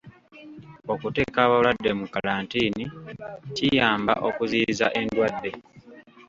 Okuteeka abalwadde mu kalantiini kiyamba okuziyiza endwadde.